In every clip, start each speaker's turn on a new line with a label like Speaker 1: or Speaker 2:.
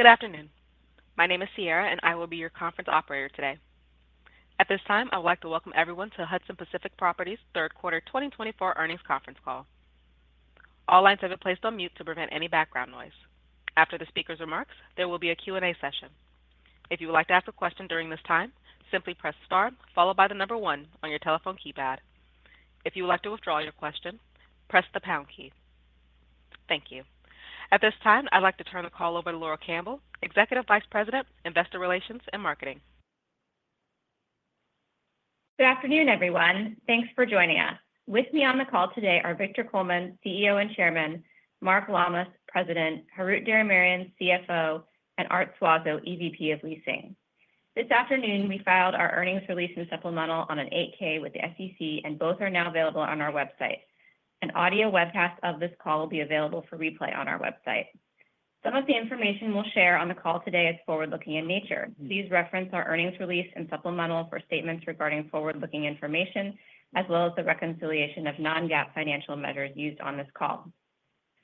Speaker 1: Good afternoon. My name is Sierra, and I will be your conference operator today. At this time, I would like to welcome everyone to Hudson Pacific Properties' third quarter 2024 earnings conference call. All lines have been placed on mute to prevent any background noise. After the speaker's remarks, there will be a Q&A session. If you would like to ask a question during this time, simply press star, followed by the number one on your telephone keypad. If you would like to withdraw your question, press the pound key. Thank you. At this time, I'd like to turn the call over to Laura Campbell, Executive Vice President, Investor Relations and Marketing.
Speaker 2: Good afternoon, everyone. Thanks for joining us. With me on the call today are Victor Coleman, CEO and Chairman, Mark Lammas, President, Harout Diramerian, CFO, and Art Suazo, EVP of Leasing. This afternoon, we filed our earnings release and supplemental on an 8-K with the SEC, and both are now available on our website. An audio webcast of this call will be available for replay on our website. Some of the information we'll share on the call today is forward-looking in nature. Please reference our earnings release and supplemental for statements regarding forward-looking information, as well as the reconciliation of non-GAAP financial measures used on this call.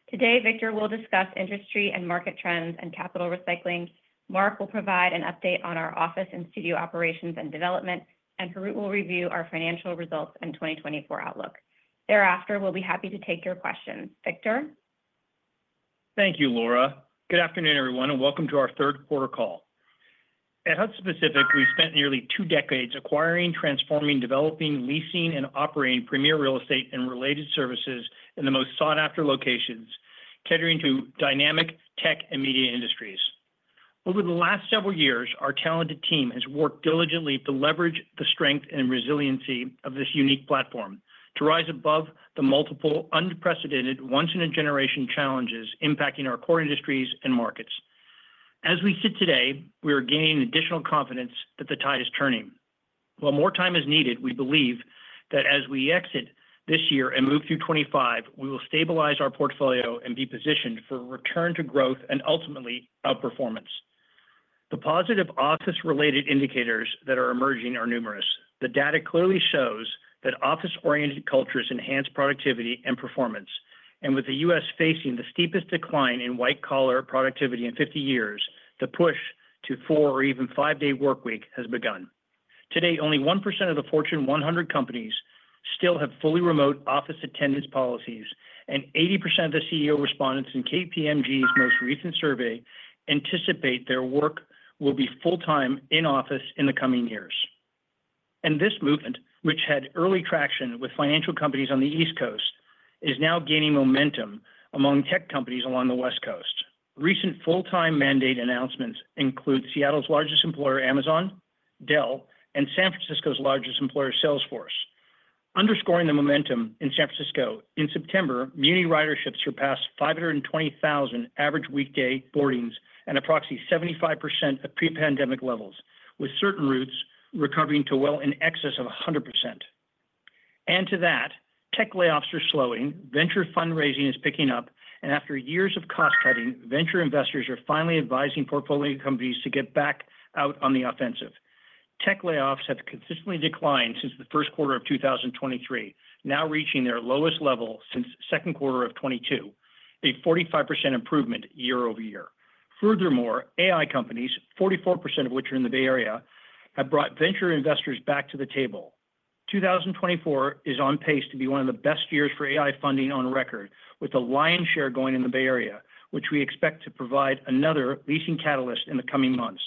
Speaker 2: Today, Victor will discuss industry and market trends and capital recycling. Mark will provide an update on our office and studio operations and development, and Harout will review our financial results and 2024 outlook. Thereafter, we'll be happy to take your questions. Victor?
Speaker 3: Thank you, Laura. Good afternoon, everyone, and welcome to our third quarter call. At Hudson Pacific, we've spent nearly two decades acquiring, transforming, developing, leasing, and operating premier real estate and related services in the most sought-after locations, catering to dynamic tech and media industries. Over the last several years, our talented team has worked diligently to leverage the strength and resiliency of this unique platform to rise above the multiple, unprecedented, once-in-a-generation challenges impacting our core industries and markets. As we sit today, we are gaining additional confidence that the tide is turning. While more time is needed, we believe that as we exit this year and move through 2025, we will stabilize our portfolio and be positioned for return to growth and ultimately outperformance. The positive office-related indicators that are emerging are numerous. The data clearly shows that office-oriented cultures enhance productivity and performance and with the U.S. facing the steepest decline in white-collar productivity in 50 years, the push to four or even five-day workweeks has begun. Today, only 1% of the Fortune 100 companies still have fully remote office attendance policies, and 80% of the CEO respondents in KPMG's most recent survey anticipate their work will be full-time in-office in the coming years. This movement, which had early traction with financial companies on the East Coast, is now gaining momentum among tech companies along the West Coast. Recent full-time mandate announcements include Seattle's largest employer, Amazon, Dell, and San Francisco's largest employer, Salesforce, underscoring the momentum in San Francisco. In September, Muni ridership surpassed 520,000 average weekday boardings at approximately 75% of pre-pandemic levels, with certain routes recovering to well in excess of 100%. To that, tech layoffs are slowing, venture fundraising is picking up, and after years of cost-cutting, venture investors are finally advising portfolio companies to get back out on the offensive. Tech layoffs have consistently declined since the first quarter of 2023, now reaching their lowest level since the second quarter of 2022, a 45% improvement year-over-year. Furthermore, AI companies, 44% of which are in the Bay Area, have brought venture investors back to the table. 2024 is on pace to be one of the best years for AI funding on record, with a lion's share going in the Bay Area, which we expect to provide another leasing catalyst in the coming months.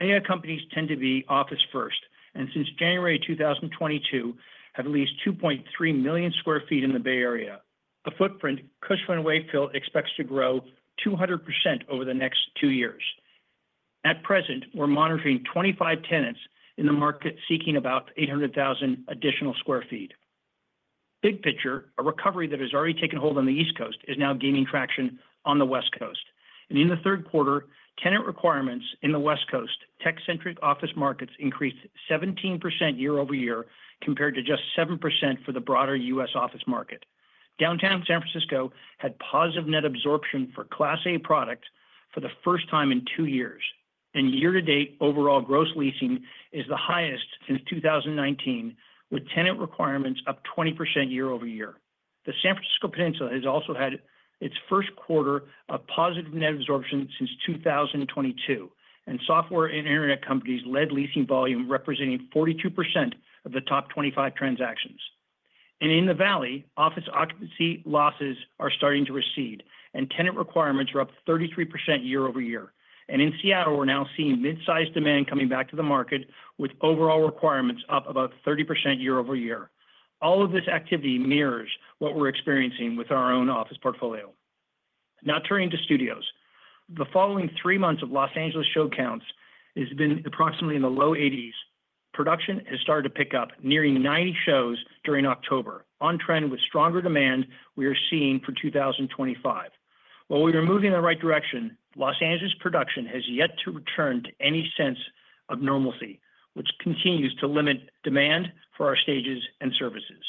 Speaker 3: AI companies tend to be office-first, and since January 2022, have leased 2.3 million sq ft in the Bay Area. The footprint, Cushman & Wakefield, expects to grow 200% over the next two years. At present, we're monitoring 25 tenants in the market seeking about 800,000 additional sq ft. Big picture, a recovery that has already taken hold on the East Coast is now gaining traction on the West Coast, and in the third quarter, tenant requirements in the West Coast, tech-centric office markets increased 17% year-over-year compared to just 7% for the broader U.S. office market. Downtown San Francisco had positive net absorption for Class A product for the first time in two years, and year-to-date, overall gross leasing is the highest since 2019, with tenant requirements up 20% year-over-year. The San Francisco Peninsula has also had its first quarter of positive net absorption since 2022, and software and internet companies led leasing volume, representing 42% of the top 25 transactions. In the Valley, office occupancy losses are starting to recede, and tenant requirements are up 33% year-over-year. In Seattle, we're now seeing mid-sized demand coming back to the market, with overall requirements up about 30% year-over-year. All of this activity mirrors what we're experiencing with our own office portfolio. Now turning to studios. The following three months of Los Angeles show counts has been approximately in the low 80s. Production has started to pick up, nearing 90 shows during October, on trend with stronger demand we are seeing for 2025. While we are moving in the right direction, Los Angeles production has yet to return to any sense of normalcy, which continues to limit demand for our stages and services.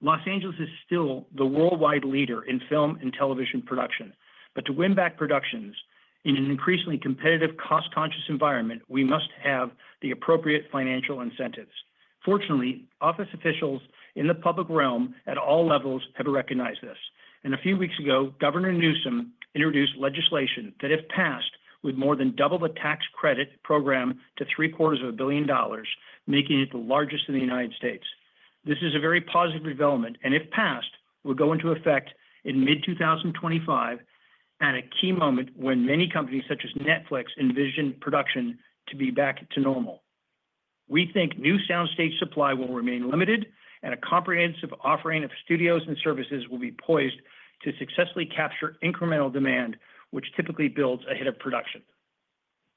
Speaker 3: Los Angeles is still the worldwide leader in film and television production, but to win back productions in an increasingly competitive, cost-conscious environment, we must have the appropriate financial incentives. Fortunately, elected officials in the public realm at all levels have recognized this. A few weeks ago, Governor Newsom introduced legislation that, if passed, would more than double the tax credit program to $750 million, making it the largest in the United States. This is a very positive development, and if passed, would go into effect in mid-2025 at a key moment when many companies such as Netflix envision production to be back to normal. We think new sound stage supply will remain limited, and a comprehensive offering of studios and services will be poised to successfully capture incremental demand, which typically builds ahead of production.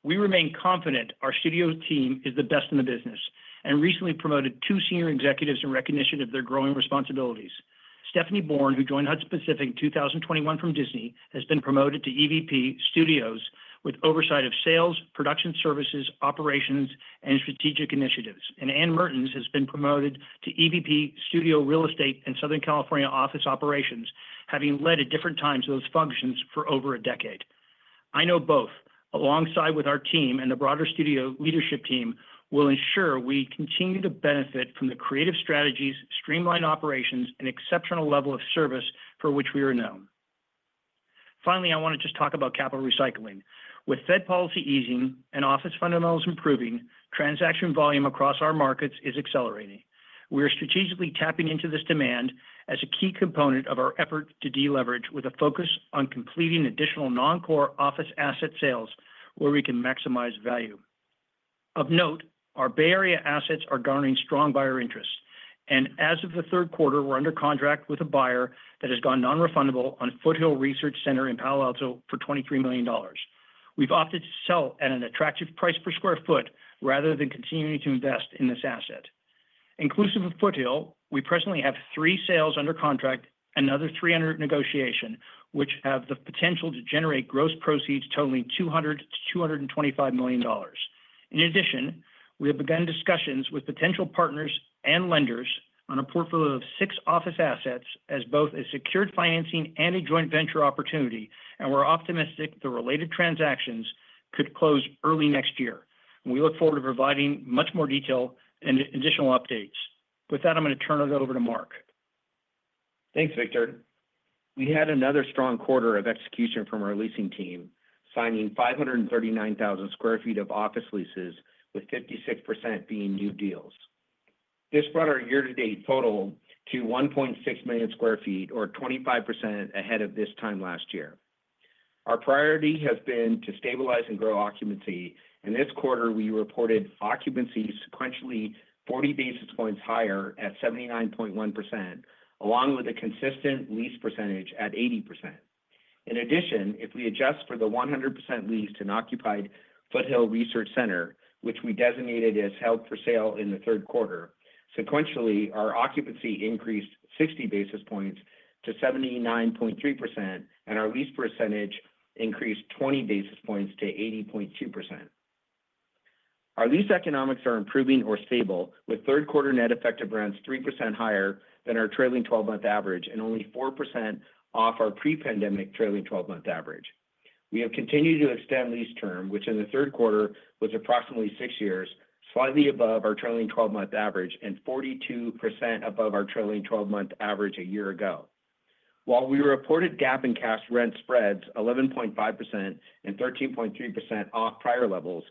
Speaker 3: We remain confident our studio team is the best in the business and recently promoted two senior executives in recognition of their growing responsibilities. Stefanie Born, who joined Hudson Pacific in 2021 from Disney, has been promoted to EVP Studios with oversight of sales, production services, operations, and strategic initiatives, and Anne Mertens has been promoted to EVP Studio Real Estate and Southern California Office Operations, having led at different times those functions for over a decade. I know both, alongside with our team and the broader studio leadership team, will ensure we continue to benefit from the creative strategies, streamlined operations, and exceptional level of service for which we are known. Finally, I want to just talk about capital recycling. With Fed policy easing and office fundamentals improving, transaction volume across our markets is accelerating. We are strategically tapping into this demand as a key component of our effort to deleverage, with a focus on completing additional non-core office asset sales where we can maximize value. Of note, our Bay Area assets are garnering strong buyer interest, and as of the third quarter, we're under contract with a buyer that has gone non-refundable on Foothill Research Center in Palo Alto for $23 million. We've opted to sell at an attractive price per square foot rather than continuing to invest in this asset. Inclusive of Foothill, we presently have three sales under contract, another $300 million in negotiation, which have the potential to generate gross proceeds totaling $200-$225 million. In addition, we have begun discussions with potential partners and lenders on a portfolio of six office assets as both a secured financing and a joint venture opportunity, and we're optimistic the related transactions could close early next year. We look forward to providing much more detail and additional updates. With that, I'm going to turn it over to Mark.
Speaker 4: Thanks, Victor. We had another strong quarter of execution from our leasing team, signing 539,000 sq ft of office leases, with 56% being new deals. This brought our year-to-date total to 1.6 million sq ft, or 25% ahead of this time last year. Our priority has been to stabilize and grow occupancy. In this quarter, we reported occupancy sequentially 40 basis points higher at 79.1%, along with a consistent lease percentage at 80%. In addition, if we adjust for the 100% lease to an occupied Foothill Research Center, which we designated as held for sale in the third quarter, sequentially, our occupancy increased 60 basis points to 79.3%, and our lease percentage increased 20 basis points to 80.2%. Our lease economics are improving or stable, with third-quarter net effective rents 3% higher than our trailing 12-month average and only 4% off our pre-pandemic trailing 12-month average. We have continued to extend lease term, which in the third quarter was approximately six years, slightly above our trailing 12-month average and 42% above our trailing 12-month average a year ago. While we reported GAAP and cash rent spreads 11.5% and 13.3% off prior levels,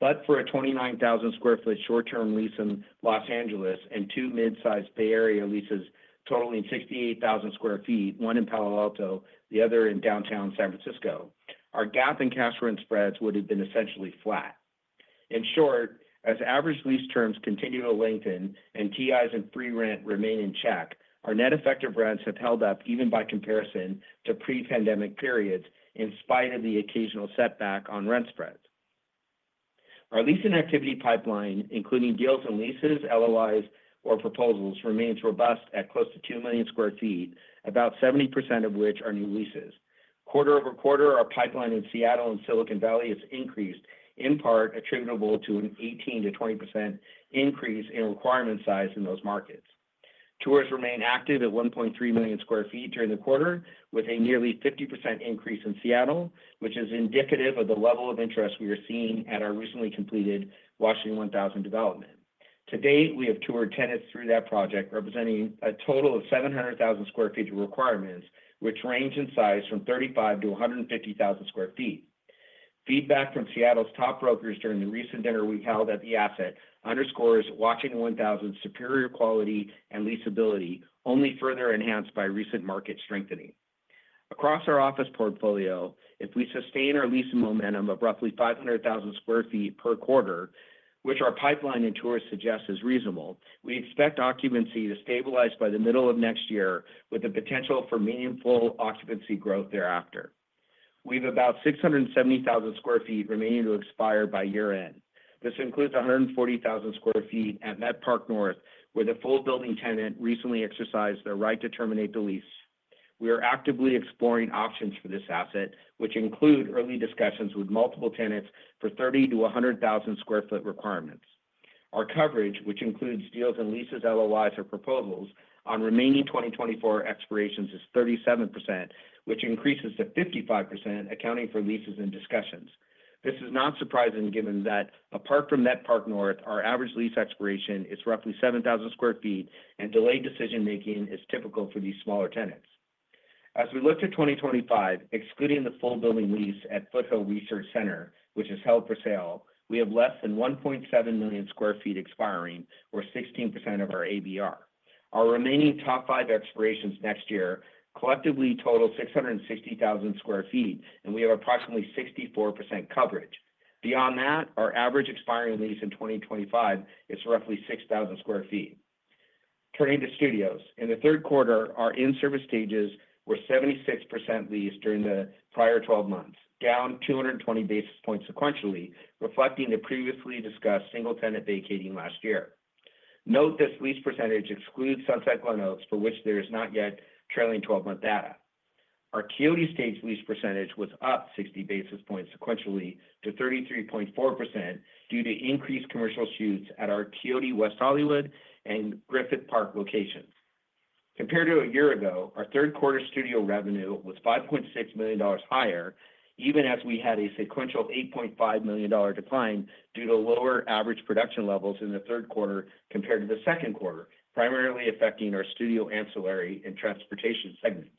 Speaker 4: but for a 29,000 sq ft short-term lease in Los Angeles and two mid-sized Bay Area leases totaling 68,000 sq ft, one in Palo Alto, the other in downtown San Francisco, our GAAP and cash rent spreads would have been essentially flat. In short, as average lease terms continue to lengthen and TIs and free rent remain in check, our net effective rents have held up even by comparison to pre-pandemic periods, in spite of the occasional setback on rent spreads. Our lease and activity pipeline, including deals and leases, LOIs, or proposals, remains robust at close to 2 million sq ft, about 70% of which are new leases. Quarter-over-quarter, our pipeline in Seattle and Silicon Valley has increased, in part attributable to an 18%-20% increase in requirement size in those markets. Tours remain active at 1.3 million sq ft during the quarter, with a nearly 50% increase in Seattle, which is indicative of the level of interest we are seeing at our recently completed Washington 1000 development. To date, we have toured tenants through that project, representing a total of 700,000 sq ft of requirements, which range in size from 35-150,000 sq ft. Feedback from Seattle's top brokers during the recent dinner we held at the asset underscores Washington 1000's superior quality and leasability, only further enhanced by recent market strengthening. Across our office portfolio, if we sustain our leasing momentum of roughly 500,000 sq ft per quarter, which our pipeline and tours suggest is reasonable, we expect occupancy to stabilize by the middle of next year, with the potential for meaningful occupancy growth thereafter. We have about 670,000 sq ft remaining to expire by year-end. This includes 140,000 sq ft at Met Park North, where the full building tenant recently exercised their right to terminate the lease. We are actively exploring options for this asset, which include early discussions with multiple tenants for 30-100,000 sq ft requirements. Our coverage, which includes deals and leases, LOIs, or proposals on remaining 2024 expirations, is 37%, which increases to 55%, accounting for leases and discussions. This is not surprising, given that apart from Met Park North, our average lease expiration is roughly 7,000 sq ft, and delayed decision-making is typical for these smaller tenants. As we look to 2025, excluding the full building lease at Foothill Research Center, which is held for sale, we have less than 1.7 million sq ft expiring, or 16% of our ABR. Our remaining top five expirations next year collectively total 660,000 sq ft, and we have approximately 64% coverage. Beyond that, our average expiring lease in 2025 is roughly 6,000 sq ft. Turning to studios, in the third quarter, our in-service stages were 76% leased during the prior 12 months, down 220 basis points sequentially, reflecting the previously discussed single-tenant vacating last year. Note this lease percentage excludes Sunset Glenoaks, for which there is not yet trailing 12-month data. Our Quixote stage lease percentage was up 60 basis points sequentially to 33.4% due to increased commercial shoots at our Quixote West Hollywood and Griffith Park locations. Compared to a year ago, our third-quarter studio revenue was $5.6 million higher, even as we had a sequential $8.5 million decline due to lower average production levels in the third quarter compared to the second quarter, primarily affecting our studio ancillary and transportation segments.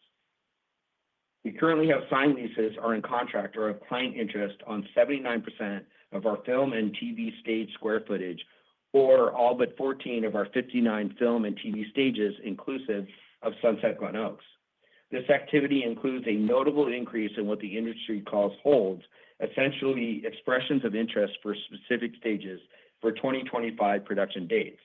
Speaker 4: We currently have signed leases or in contract or of client interest on 79% of our film and TV stage square footage, or all but 14 of our 59 film and TV stages, inclusive of Sunset Glenoaks. This activity includes a notable increase in what the industry calls holds, essentially expressions of interest for specific stages for 2025 production dates.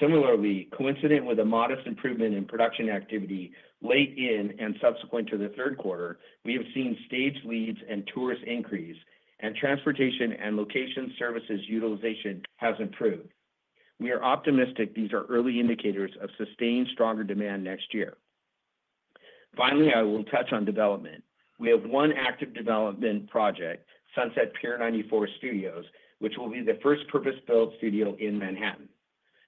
Speaker 4: Similarly, coincident with a modest improvement in production activity late in and subsequent to the third quarter, we have seen stage leads and tourists increase, and transportation and location services utilization has improved. We are optimistic these are early indicators of sustained stronger demand next year. Finally, I will touch on development. We have one active development project, Sunset Pier 94 Studios, which will be the first purpose-built studio in Manhattan.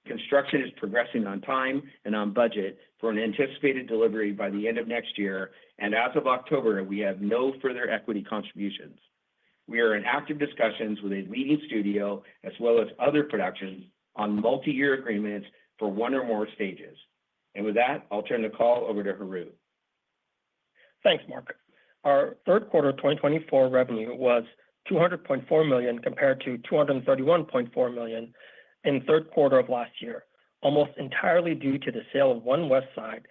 Speaker 4: Construction is progressing on time and on budget for an anticipated delivery by the end of next year, and as of October, we have no further equity contributions. We are in active discussions with a leading studio, as well as other productions, on multi-year agreements for one or more stages. With that, I'll turn the call over to Harout.
Speaker 5: Thanks, Mark. Our third quarter 2024 revenue was $200.4 million compared to $231.4 million in the third quarter of last year, almost entirely due to the sale of One Westside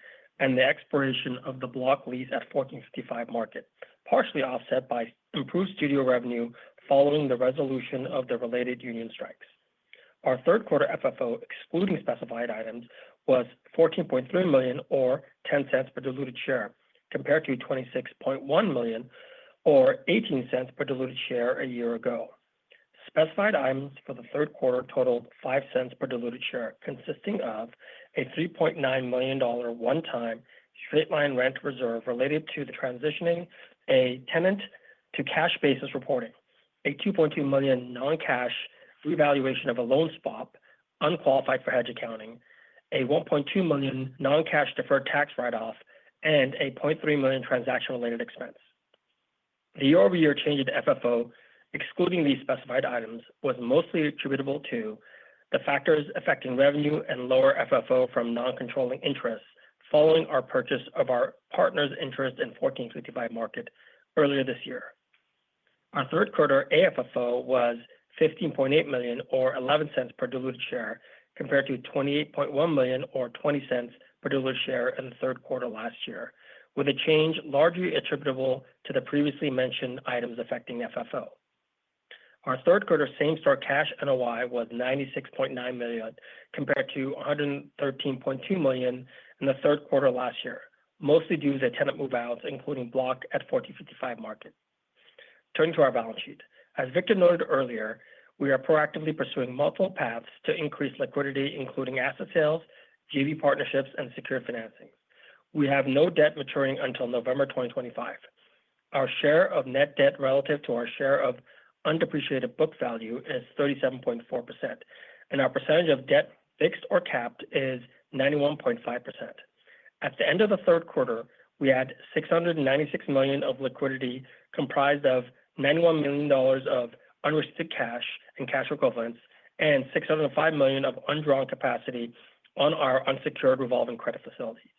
Speaker 5: and the expiration of the Block lease at 1465 Market, partially offset by improved studio revenue following the resolution of the related union strikes. Our third-quarter FFO, excluding specified items, was $14.3 million, or $0.10 per diluted share, compared to $26.1 million, or $0.18 per diluted share a year ago. Specified items for the third quarter totaled $0.05 per diluted share, consisting of a $3.9 million one-time straight-line rent reserve related to the transitioning of a tenant to cash basis reporting, a $2.2 million non-cash revaluation of a loan swap unqualified for hedge accounting, a $1.2 million non-cash deferred tax write-off, and a $0.3 million transaction-related expense. The year-over-year change in FFO, excluding these specified items, was mostly attributable to the factors affecting revenue and lower FFO from non-controlling interest following our purchase of our partner's interest in 1465 Market earlier this year. Our third-quarter AFFO was $15.8 million, or $0.11 per diluted share, compared to $28.1 million, or $0.20 per diluted share in the third quarter last year, with a change largely attributable to the previously mentioned items affecting FFO. Our third-quarter same-store cash NOI was $96.9 million, compared to $113.2 million in the third quarter last year, mostly due to the tenant move-outs, including Block at 1465 Market. Turning to our balance sheet, as Victor noted earlier, we are proactively pursuing multiple paths to increase liquidity, including asset sales, JV partnerships, and secure financing. We have no debt maturing until November 2025. Our share of net debt relative to our share of undepreciated book value is 37.4%, and our percentage of debt fixed or capped is 91.5%. At the end of the third quarter, we had $696 million of liquidity comprised of $91 million of unrestricted cash and cash equivalents, and $605 million of undrawn capacity on our unsecured revolving credit facility.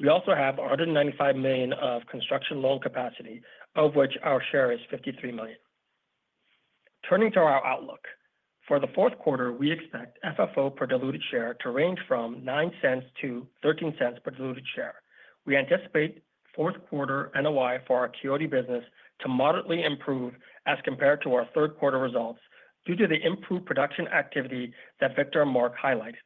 Speaker 5: We also have $195 million of construction loan capacity, of which our share is $53 million. Turning to our outlook, for the fourth quarter, we expect FFO per diluted share to range from $0.09-$0.13 per diluted share. We anticipate fourth-quarter NOI for our Quixote business to moderately improve as compared to our third-quarter results due to the improved production activity that Victor and Mark highlighted.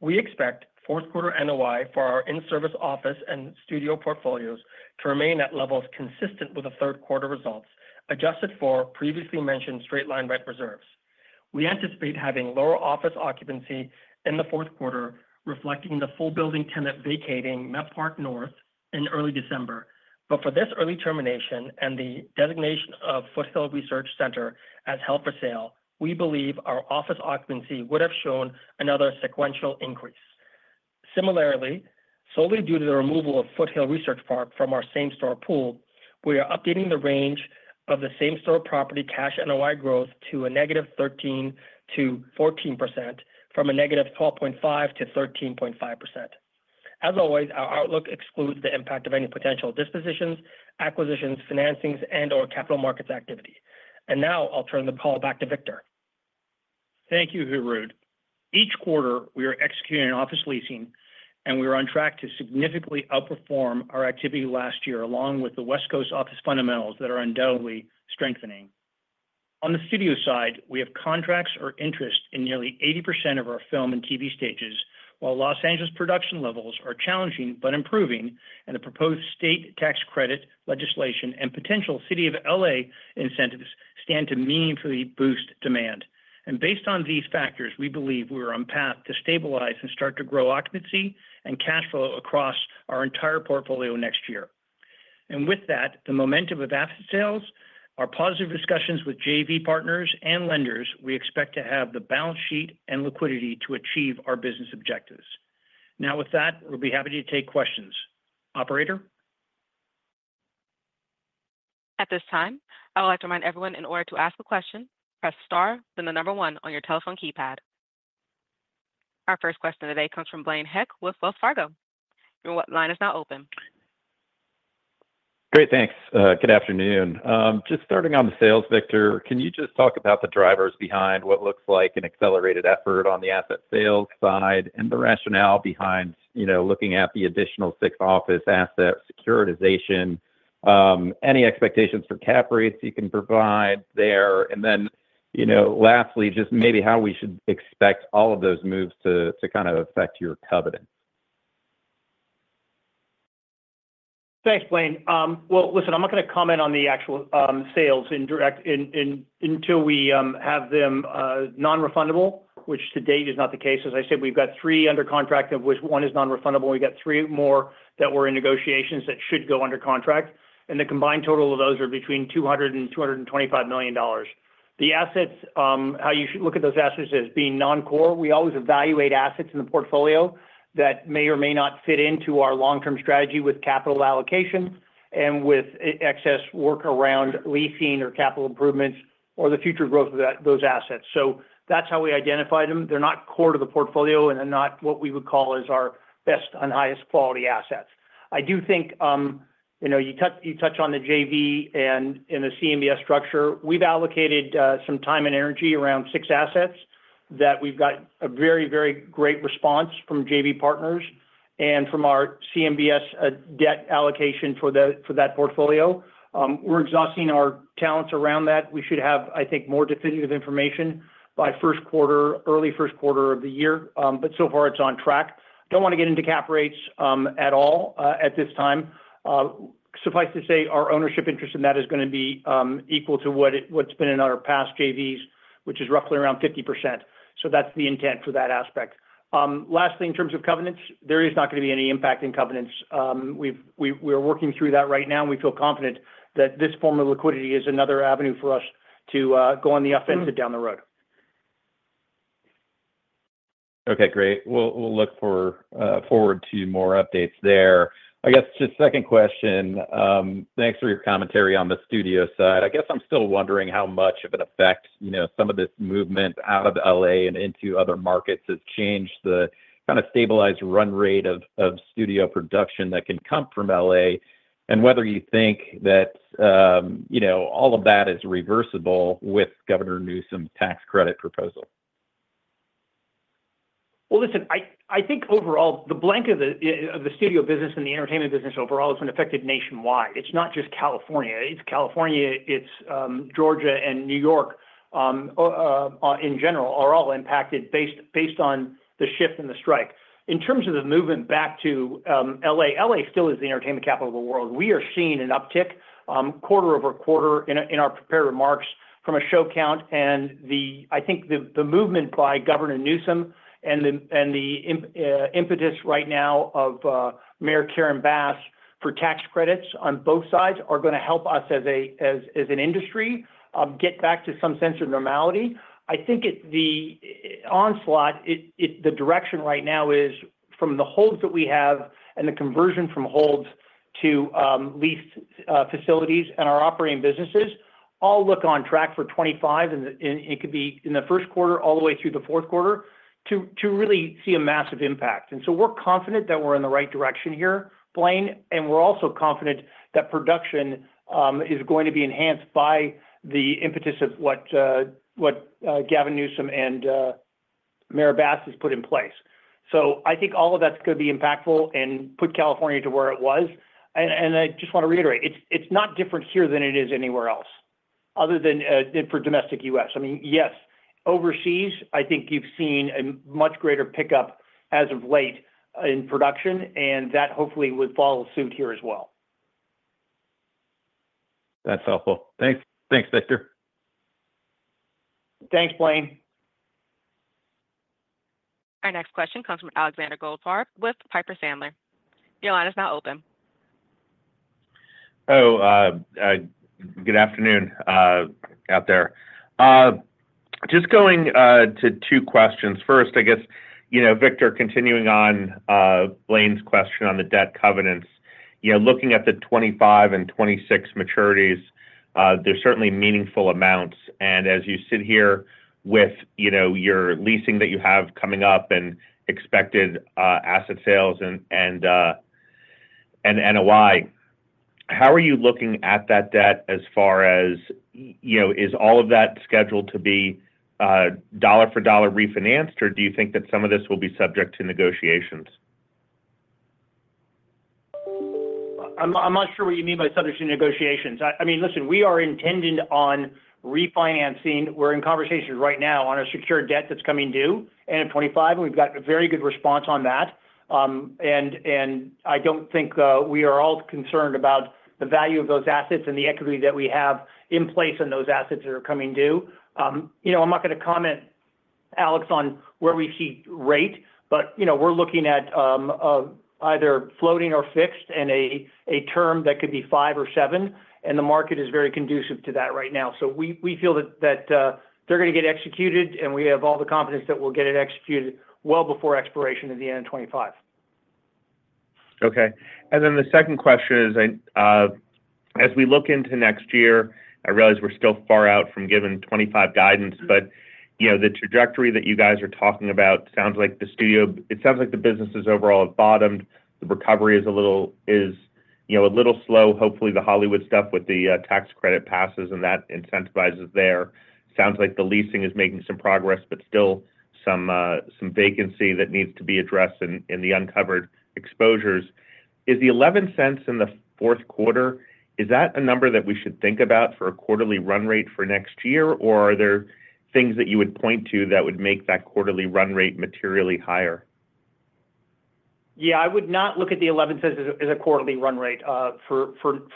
Speaker 5: We expect fourth-quarter NOI for our in-service office and studio portfolios to remain at levels consistent with the third-quarter results, adjusted for previously mentioned straight-line rent reserves. We anticipate having lower office occupancy in the fourth quarter, reflecting the full building tenant vacating Met Park North in early December, but for this early termination and the designation of Foothill Research Center as held for sale, we believe our office occupancy would have shown another sequential increase. Similarly, solely due to the removal of Foothill Research Center from our same-store pool, we are updating the range of the same-store property cash NOI growth to a -13%-14% from a -12.5%-13.5%. As always, our outlook excludes the impact of any potential dispositions, acquisitions, financings, and/or capital markets activity. Now I'll turn the call back to Victor.
Speaker 3: Thank you, Harout. Each quarter, we are executing office leasing, and we are on track to significantly outperform our activity last year, along with the West Coast office fundamentals that are undoubtedly strengthening. On the studio side, we have contracts or interest in nearly 80% of our film and TV stages, while Los Angeles production levels are challenging but improving, and the proposed state tax credit legislation and potential City of LA incentives stand to meaningfully boost demand. Based on these factors, we believe we are on path to stabilize and start to grow occupancy and cash flow across our entire portfolio next year. With that, the momentum of asset sales, our positive discussions with JV partners, and lenders, we expect to have the balance sheet and liquidity to achieve our business objectives. Now with that, we'll be happy to take questions. Operator?
Speaker 1: At this time, I would like to remind everyone in order to ask a question, press star, then the number one on your telephone keypad. Our first question today comes from Blaine Heck with Wells Fargo. Your line is now open.
Speaker 6: Great, thanks. Good afternoon. Just starting on the sales, Victor, can you just talk about the drivers behind what looks like an accelerated effort on the asset sales side and the rationale behind looking at the additional six office asset securitization? Any expectations for cap rates you can provide there? Then lastly, just maybe how we should expect all of those moves to kind of affect your covenants?
Speaker 3: Thanks, Blaine. Well, listen, I'm not going to comment on the actual sales until we have them non-refundable, which to date is not the case. As I said, we've got three under contract, of which one is non-refundable. We've got three more that we're in negotiations that should go under contract. And the combined total of those are between $200 million and $225 million. The assets, how you should look at those assets as being non-core. We always evaluate assets in the portfolio that may or may not fit into our long-term strategy with capital allocation and with excess work around leasing or capital improvements or the future growth of those assets. So that's how we identify them. They're not core to the portfolio, and they're not what we would call as our best and highest quality assets. I do think you touch on the JV and the CMBS structure. We've allocated some time and energy around six assets that we've got a very, very great response from JV partners and from our CMBS debt allocation for that portfolio. We're exhausting our talents around that. We should have, I think, more definitive information by early first quarter of the year. But so far, it's on track. Don't want to get into cap rates at all at this time. Suffice to say, our ownership interest in that is going to be equal to what's been in our past JVs, which is roughly around 50%. So that's the intent for that aspect. Lastly, in terms of covenants, there is not going to be any impact in covenants. We are working through that right now. We feel confident that this form of liquidity is another avenue for us to go on the offensive down the road.
Speaker 6: Okay, great. We'll look forward to more updates there. I guess just second question, thanks for your commentary on the studio side. I guess I'm still wondering how much of an effect some of this movement out of LA and into other markets has changed the kind of stabilized run rate of studio production that can come from LA and whether you think that all of that is reversible with Governor Newsom's tax credit proposal?
Speaker 3: Listen, I think overall, the backlog of the studio business and the entertainment business overall has been affected nationwide. It's not just California. It's California, it's Georgia, and New York in general are all impacted based on the shift in the strike. In terms of the movement back to LA, LA still is the entertainment capital of the world. We are seeing an uptick quarter-over-quarter in our prepared remarks from a show count. I think the movement by Governor Newsom and the impetus right now of Mayor Karen Bass for tax credits on both sides are going to help us as an industry get back to some sense of normality. I think the onslaught, the direction right now is from the holds that we have and the conversion from holds to leased facilities and our operating businesses all look on track for 2025, and it could be in the first quarter all the way through the fourth quarter to really see a massive impact. So we're confident that we're in the right direction here, Blaine, and we're also confident that production is going to be enhanced by the impetus of what Gavin Newsom and Mayor Bass has put in place. So I think all of that's going to be impactful and put California to where it was. I just want to reiterate, it's not different here than it is anywhere else other than for domestic U.S. I mean, yes, overseas, I think you've seen a much greater pickup as of late in production, and that hopefully would follow suit here as well.
Speaker 6: That's helpful. Thanks, Victor.
Speaker 3: Thanks, Blaine.
Speaker 1: Our next question comes from Alexander Goldfarb with Piper Sandler. Your line is now open.
Speaker 7: Oh, good afternoon out there. Just going to two questions. First, I guess, Victor, continuing on Blaine's question on the debt covenants, looking at the 2025 and 2026 maturities, there's certainly meaningful amounts. As you sit here with your leasing that you have coming up and expected asset sales and NOI, how are you looking at that debt as far as is all of that scheduled to be dollar-for-dollar refinanced, or do you think that some of this will be subject to negotiations?
Speaker 3: I'm not sure what you mean by subject to negotiations. I mean, listen, we are intending on refinancing. We're in conversations right now on a secured debt that's coming due in 2025, and we've got a very good response on that. I don't think we are all concerned about the value of those assets and the equity that we have in place on those assets that are coming due. I'm not going to comment, Alex, on where we see rate, but we're looking at either floating or fixed in a term that could be five or seven, and the market is very conducive to that right now. So we feel that they're going to get executed, and we have all the confidence that we'll get it executed well before expiration at the end of 2025.
Speaker 7: Okay. Then the second question is, as we look into next year, I realize we're still far out from giving 2025 guidance, but the trajectory that you guys are talking about sounds like the studio-it sounds like the businesses overall have bottomed. The recovery is a little slow. Hopefully, the Hollywood stuff with the tax credit passes and that incentivizes there. Sounds like the leasing is making some progress, but still some vacancy that needs to be addressed in the uncovered exposures. Is the $0.11 in the fourth quarter, is that a number that we should think about for a quarterly run rate for next year, or are there things that you would point to that would make that quarterly run rate materially higher?
Speaker 3: Yeah, I would not look at the $0.11 as a quarterly run rate for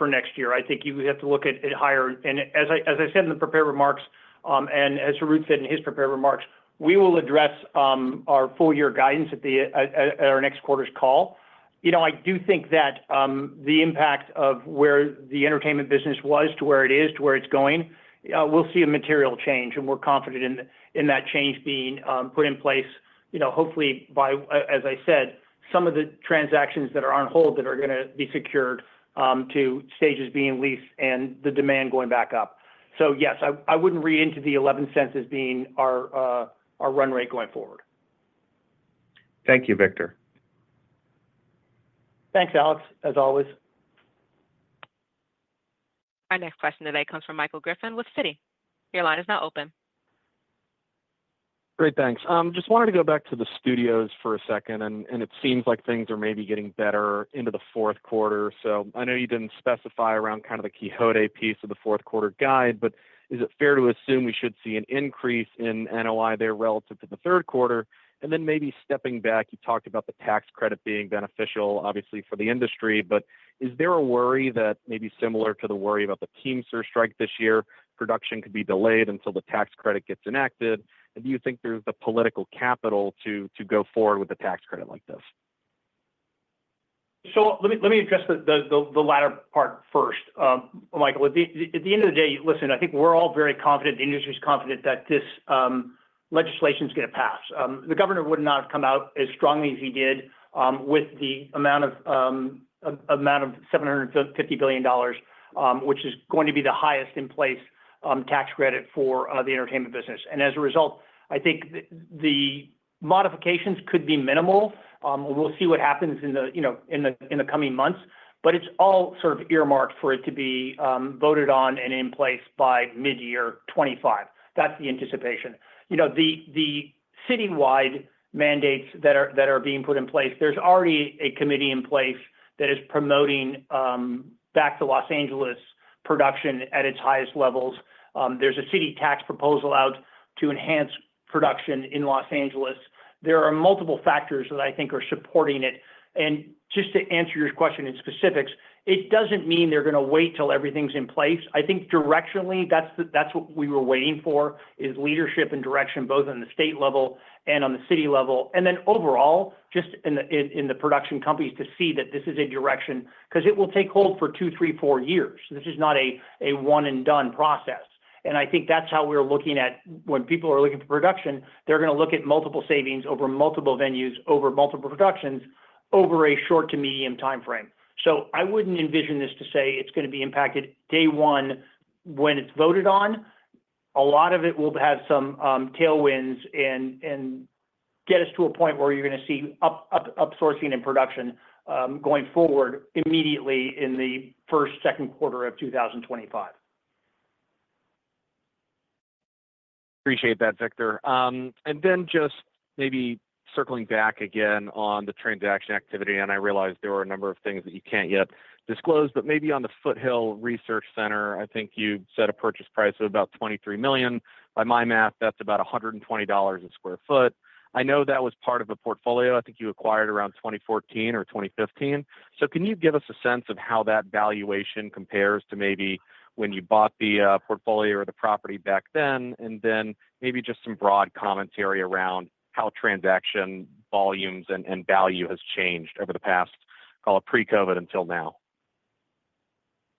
Speaker 3: next year. I think you have to look at it higher. As I said in the prepared remarks, and as Harout said in his prepared remarks, we will address our full-year guidance at our next quarter's call. I do think that the impact of where the entertainment business was to where it is, to where it's going, we'll see a material change, and we're confident in that change being put in place, hopefully by, as I said, some of the transactions that are on hold that are going to be secured to stages being leased and the demand going back up. So yes, I wouldn't read into the $0.11 as being our run rate going forward.
Speaker 7: Thank you, Victor.
Speaker 3: Thanks, Alex, as always.
Speaker 1: Our next question today comes from Michael Griffin with Citi. Your line is now open.
Speaker 8: Great, thanks. Just wanted to go back to the studios for a second, and it seems like things are maybe getting better into the fourth quarter. So I know you didn't specify around kind of the Quixote piece of the fourth quarter guide, but is it fair to assume we should see an increase in NOI there relative to the third quarter? Then maybe stepping back, you talked about the tax credit being beneficial, obviously, for the industry, but is there a worry that maybe similar to the worry about the Teamsters strike this year, production could be delayed until the tax credit gets enacted and do you think there's the political capital to go forward with a tax credit like this?
Speaker 3: Let me address the latter part first, Michael. At the end of the day, listen, I think we're all very confident. The industry's confident that this legislation is going to pass. The governor would not have come out as strongly as he did with the amount of $750 million, which is going to be the highest in place tax credit for the entertainment business. As a result, I think the modifications could be minimal. We'll see what happens in the coming months, but it's all sort of earmarked for it to be voted on and in place by mid-year 2025. That's the anticipation. The citywide mandates that are being put in place, there's already a committee in place that is promoting back to Los Angeles production at its highest levels. There's a city tax proposal out to enhance production in Los Angeles. There are multiple factors that I think are supporting it, and just to answer your question in specifics, it doesn't mean they're going to wait till everything's in place. I think directionally, that's what we were waiting for, is leadership and direction both on the state level and on the city level. Then overall, just in the production companies to see that this is a direction because it will take hold for two, three, four years. This is not a one-and-done process. I think that's how we're looking at when people are looking for production, they're going to look at multiple savings over multiple venues, over multiple productions, over a short to medium timeframe. So I wouldn't envision this to say it's going to be impacted day one when it's voted on. A lot of it will have some tailwinds and get us to a point where you're going to see up sourcing and production going forward immediately in the first, second quarter of 2025.
Speaker 8: Appreciate that, Victor. Then just maybe circling back again on the transaction activity, and I realize there were a number of things that you can't yet disclose, but maybe on the Foothill Research Center, I think you set a purchase price of about $23 million. By my math, that's about $120/sq ft. I know that was part of a portfolio I think you acquired around 2014 or 2015. So can you give us a sense of how that valuation compares to maybe when you bought the portfolio or the property back then? Then maybe just some broad commentary around how transaction volumes and value has changed over the past, call it pre-COVID until now.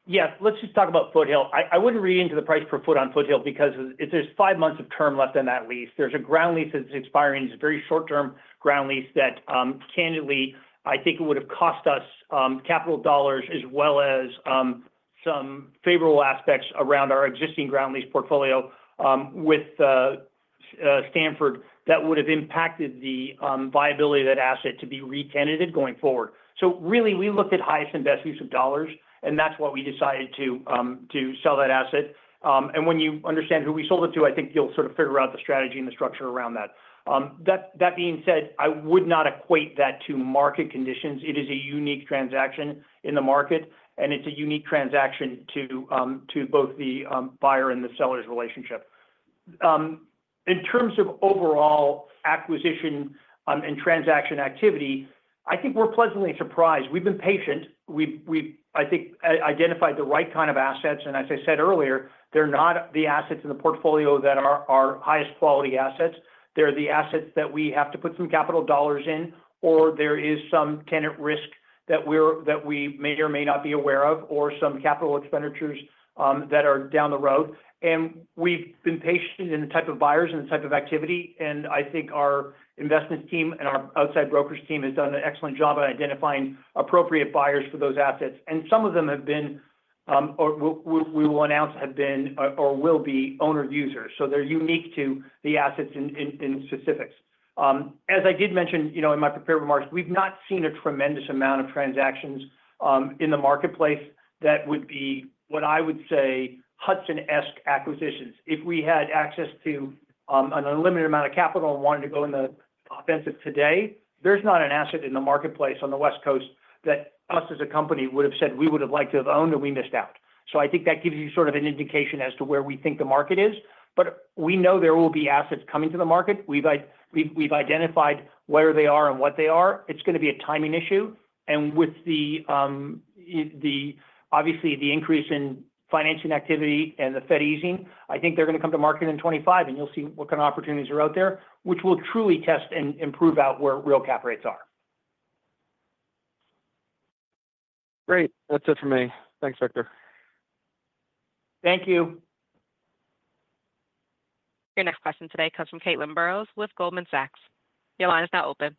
Speaker 3: Yeah, let's just talk about Foothill. I wouldn't read into the price per foot on Foothill because if there's five months of term left in that lease, there's a ground lease that's expiring. It's a very short-term ground lease that candidly, I think it would have cost us capital dollars as well as some favorable aspects around our existing ground lease portfolio with Stanford that would have impacted the viability of that asset to be recapitalized going forward. So really, we looked at highest and best use of dollars, and that's what we decided to sell that asset. When you understand who we sold it to, I think you'll sort of figure out the strategy and the structure around that. That being said, I would not equate that to market conditions. It is a unique transaction in the market, and it's a unique transaction to both the buyer and the seller's relationship. In terms of overall acquisition and transaction activity, I think we're pleasantly surprised. We've been patient. We've, I think, identified the right kind of assets. As I said earlier, they're not the assets in the portfolio that are our highest quality assets. They're the assets that we have to put some capital dollars in, or there is some tenant risk that we may or may not be aware of, or some capital expenditures that are down the road. We've been patient in the type of buyers and the type of activity and I think our investment team and our outside brokerage team has done an excellent job at identifying appropriate buyers for those assets. Some of them have been, or we will announce have been or will be owner users. So they're unique to the assets in specifics. As I did mention in my prepared remarks, we've not seen a tremendous amount of transactions in the marketplace that would be what I would say Hudson-esque acquisitions. If we had access to an unlimited amount of capital and wanted to go in the offensive today, there's not an asset in the marketplace on the West Coast that us as a company would have said we would have liked to have owned and we missed out. So I think that gives you sort of an indication as to where we think the market is. But we know there will be assets coming to the market. We've identified where they are and what they are. It's going to be a timing issue. With the, obviously, the increase in financing activity and the Fed easing, I think they're going to come to market in 2025, and you'll see what kind of opportunities are out there, which will truly test and prove out where real cap rates are.
Speaker 8: Great. That's it for me. Thanks, Victor.
Speaker 3: Thank you.
Speaker 1: Your next question today comes from Caitlin Burrows with Goldman Sachs. Your line is now open.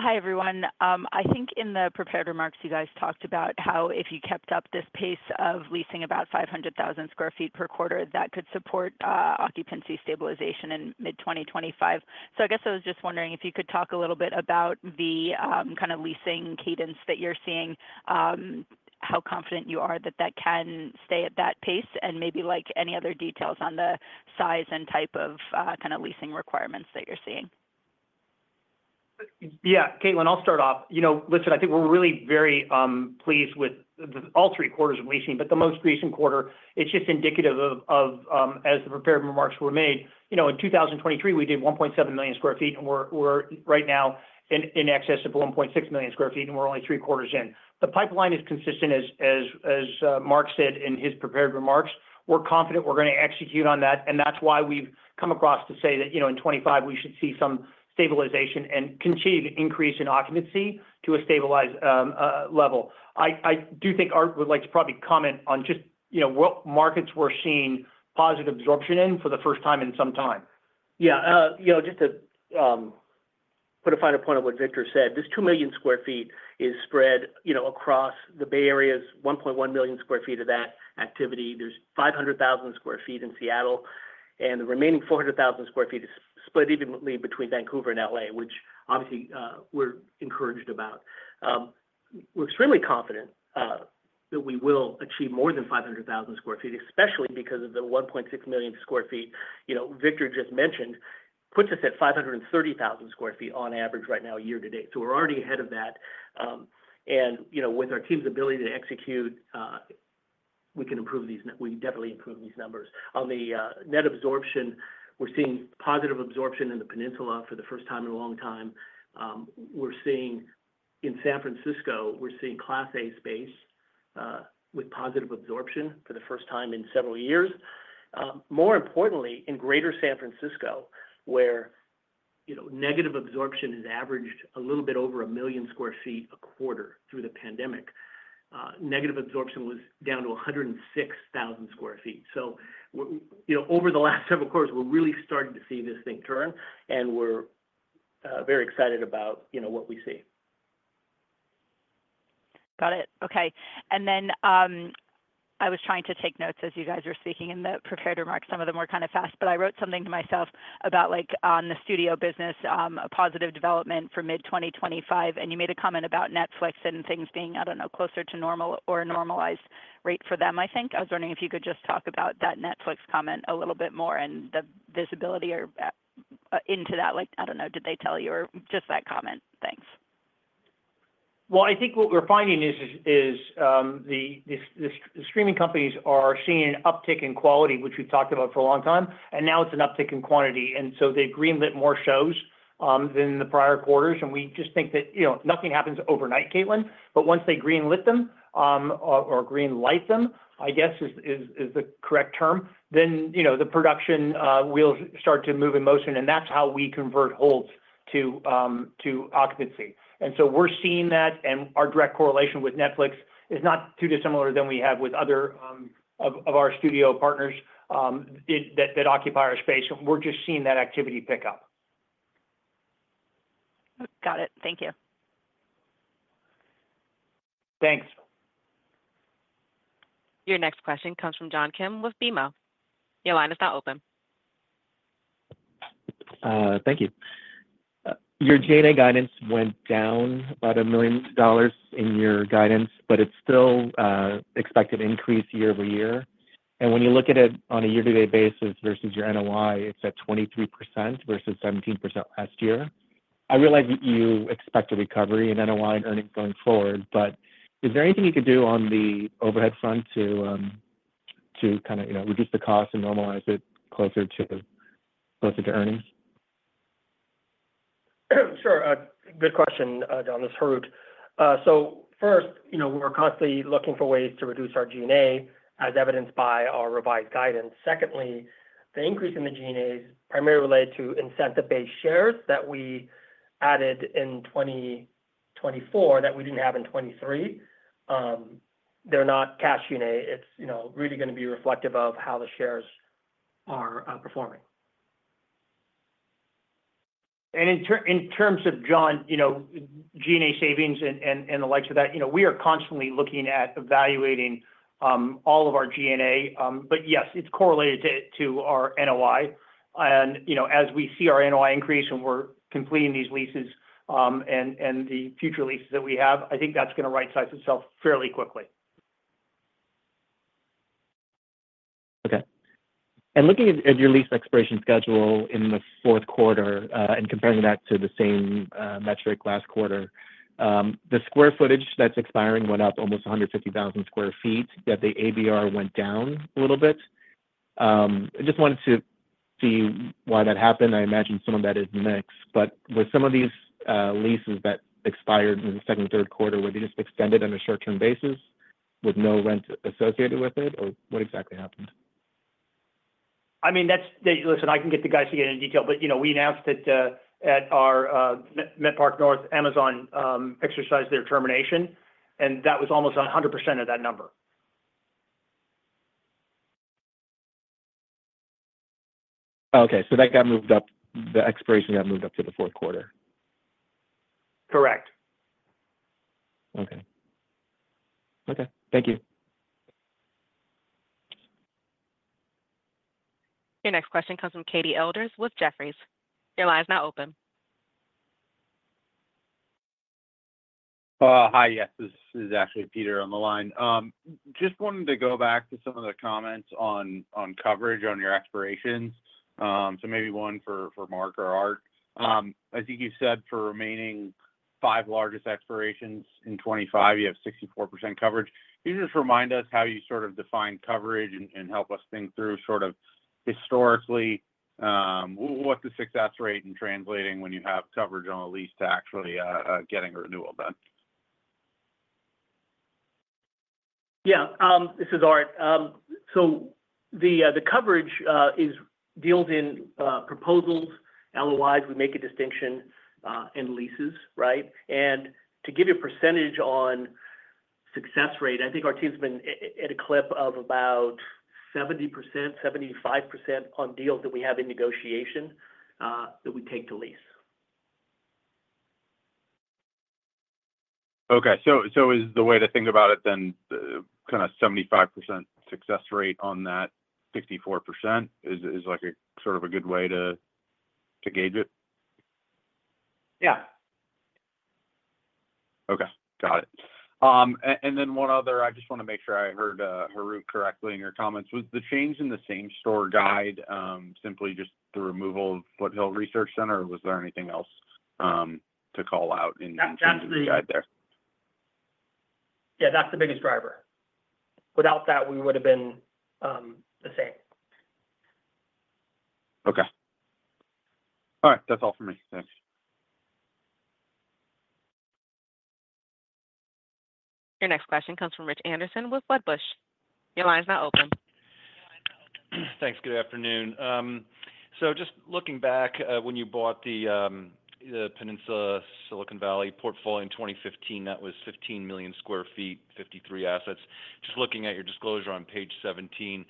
Speaker 9: Hi everyone. I think in the prepared remarks, you guys talked about how if you kept up this pace of leasing about 500,000 sq ft per quarter, that could support occupancy stabilization in mid-2025. So I guess I was just wondering if you could talk a little bit about the kind of leasing cadence that you're seeing, how confident you are that that can stay at that pace, and maybe any other details on the size and type of kind of leasing requirements that you're seeing.
Speaker 3: Yeah, Caitlin, I'll start off. Listen, I think we're really very pleased with all three quarters of leasing, but the most recent quarter, it's just indicative of, as the prepared remarks were made, in 2023, we did 1.7 million sq ft, and we're right now in excess of 1.6 million sq ft, and we're only three quarters in. The pipeline is consistent, as Mark said in his prepared remarks. We're confident we're going to execute on that, and that's why we've come across to say that in 2025, we should see some stabilization and continue to increase in occupancy to a stabilized level. I do think Art would like to probably comment on just what markets we're seeing positive absorption in for the first time in some time.
Speaker 10: Yeah, just to put a finer point on what Victor said, this 2 million sq ft is spread across the Bay Area, 1.1 million sq ft of that activity. There's 500,000 sq ft in Seattle, and the remaining 400,000 sq ft is split evenly between Vancouver and LA, which obviously we're encouraged about. We're extremely confident that we will achieve more than 500,000 sq ft, especially because of the 1.6 million sq ft Victor just mentioned puts us at 530,000 sq ft on average right now year to date. So we're already ahead of that. With our team's ability to execute, we can improve these. We definitely improve these numbers. On the net absorption, we're seeing positive absorption in the Peninsula for the first time in a long time. We're seeing in San Francisco, we're seeing Class A space with positive absorption for the first time in several years. More importantly, in greater San Francisco, where negative absorption has averaged a little bit over a million sq ft a quarter through the pandemic, negative absorption was down to 106,000 sq ft. So over the last several quarters, we're really starting to see this thing turn, and we're very excited about what we see.
Speaker 9: Got it. Okay. Then I was trying to take notes as you guys were speaking in the prepared remarks. Some of them were kind of fast, but I wrote something to myself about the studio business, a positive development for mid-2025, and you made a comment about Netflix and things being, I don't know, closer to normal or a normalized rate for them. I think I was wondering if you could just talk about that Netflix comment a little bit more and the visibility into that. I don't know, did they tell you or just that comment? Thanks.
Speaker 3: I think what we're finding is the streaming companies are seeing an uptick in quality, which we've talked about for a long time, and now it's an uptick in quantity. So they greenlit more shows than the prior quarters. We just think that nothing happens overnight, Caitlin, but once they greenlit them or greenlight them, I guess is the correct term, then the production will start to move in motion, and that's how we convert holds to occupancy. So we're seeing that, and our direct correlation with Netflix is not too dissimilar than we have with other of our studio partners that occupy our space. We're just seeing that activity pick up.
Speaker 9: Got it. Thank you.
Speaker 3: Thanks.
Speaker 1: Your next question comes from John Kim with BMO. Your line is now open.
Speaker 11: Thank you. Your G&A guidance went down about $1 million in your guidance, but it's still expected to increase year-over-year, and when you look at it on a year-to-date basis versus your NOI, it's at 23% versus 17% last year. I realize that you expect a recovery in NOI and earnings going forward, but is there anything you could do on the overhead front to kind of reduce the cost and normalize it closer to earnings?
Speaker 5: Sure. Good question, John. This is Harout. So first, we're constantly looking for ways to reduce our G&A, as evidenced by our revised guidance. Secondly, the increase in the G&A is primarily related to incentive-based shares that we added in 2024 that we didn't have in 2023. They're not cash G&A. It's really going to be reflective of how the shares are performing. In terms of, John, G&A savings and the likes of that, we are constantly looking at evaluating all of our G&A, but yes, it's correlated to our NOI. As we see our NOI increase and we're completing these leases and the future leases that we have, I think that's going to right-size itself fairly quickly.
Speaker 11: Okay, and looking at your lease expiration schedule in the fourth quarter and comparing that to the same metric last quarter, the square footage that's expiring went up almost 150,000 sq ft that the ABR went down a little bit. I just wanted to see why that happened. I imagine some of that is mixed, but were some of these leases that expired in the second and third quarter, were they just extended on a short-term basis with no rent associated with it, or what exactly happened?
Speaker 5: I mean, listen, I can get the guys to get into detail, but we announced that at our Met Park North, Amazon exercised their termination, and that was almost 100% of that number.
Speaker 11: Okay. So that got moved up. The expiration got moved up to the fourth quarter.
Speaker 5: Correct.
Speaker 11: Okay. Okay. Thank you.
Speaker 1: Your next question comes from Peter Abramowitz with Jefferies. Your line is now open.
Speaker 12: Hi, yes. This is actually Peter on the line. Just wanted to go back to some of the comments on coverage on your expirations. So maybe one for Mark or Harout. I think you said for remaining five largest expirations in 2025, you have 64% coverage. Can you just remind us how you sort of define coverage and help us think through sort of historically what the success rate and translating when you have coverage on a lease to actually getting a renewal done?
Speaker 4: Yeah. This is Mark. So the coverage deals in proposals, LOIs, we make a distinction, and leases, right? To give you a percentage on success rate, I think our team's been at a clip of about 70%, 75% on deals that we have in negotiation that we take to lease.
Speaker 12: Okay. So is the way to think about it then kind of 75% success rate on that 64% is sort of a good way to gauge it?
Speaker 4: Yeah.
Speaker 12: Okay. Got it, and then one other. I just want to make sure I heard Harout correctly in your comments. Was the change in the same store guide simply just the removal of Foothill Research Center, or was there anything else to call out in changing the guide there?
Speaker 5: Yeah, that's the biggest driver. Without that, we would have been the same.
Speaker 12: Okay. All right. That's all for me. Thanks.
Speaker 1: Your next question comes from Rich Anderson with Wedbush Securities. Your line is now open.
Speaker 13: Thanks. Good afternoon. So just looking back, when you bought the Peninsula Silicon Valley portfolio in 2015, that was 15 million sq ft, 53 assets. Just looking at your disclosure on page 17,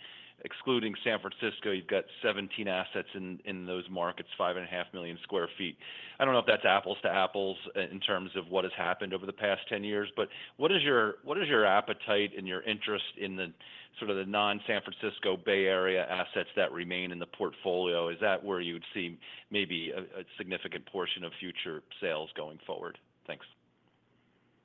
Speaker 13: excluding San Francisco, you've got 17 assets in those markets, 5.5 million sq ft. I don't know if that's apples to apples in terms of what has happened over the past 10 years, but what is your appetite and your interest in sort of the non-San Francisco Bay Area assets that remain in the portfolio? Is that where you would see maybe a significant portion of future sales going forward? Thanks.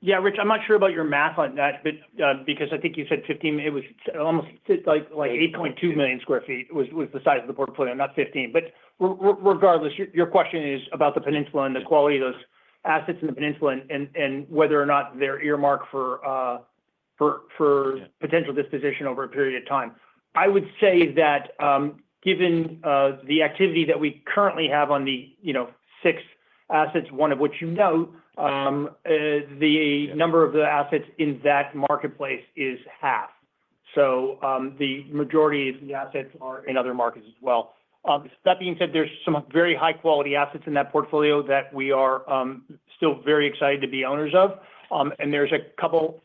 Speaker 3: Yeah, Rich, I'm not sure about your math on that, because I think you said 15, it was almost like 8.2 million sq ft was the size of the portfolio, not 15. But regardless, your question is about the Peninsula and the quality of those assets in the Peninsula and whether or not they're earmarked for potential disposition over a period of time. I would say that given the activity that we currently have on the six assets, one of which you know, the number of the assets in that marketplace is half. So the majority of the assets are in other markets as well. That being said, there's some very high-quality assets in that portfolio that we are still very excited to be owners of. There's a couple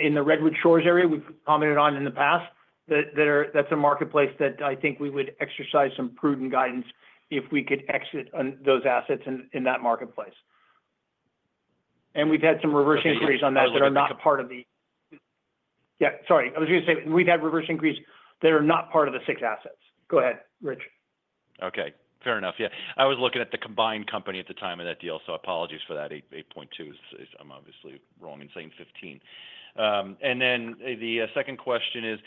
Speaker 3: in the Redwood Shores area we've commented on in the past that's a marketplace that I think we would exercise some prudent guidance if we could exit those assets in that marketplace. We've had some interest on that that are not part of the, yeah, sorry. I was going to say we've had interest that are not part of the six assets. Go ahead, Rich.
Speaker 13: Okay. Fair enough. Yeah. I was looking at the combined company at the time of that deal, so apologies for that 8.2. I'm obviously wrong in saying 15. Then the second question is,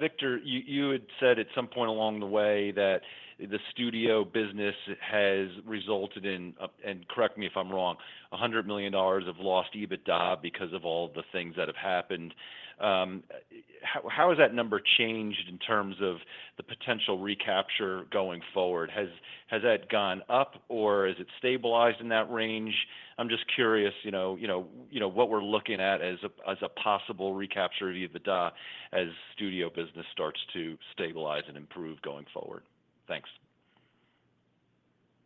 Speaker 13: Victor, you had said at some point along the way that the studio business has resulted in, and correct me if I'm wrong, $100 million of lost EBITDA because of all the things that have happened. How has that number changed in terms of the potential recapture going forward? Has that gone up, or has it stabilized in that range? I'm just curious what we're looking at as a possible recapture of EBITDA as studio business starts to stabilize and improve going forward. Thanks.